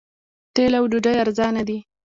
تیل او ډوډۍ ارزانه دي.